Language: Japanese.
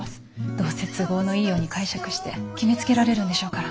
どうせ都合のいいように解釈して決めつけられるんでしょうから。